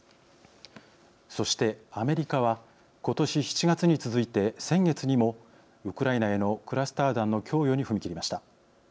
そしてアメリカは今年７月に続いて先月にもウクライナへのクラスター弾の供与に踏み切りました。